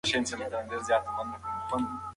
او یوازي په دې لوی کور کي تنهاده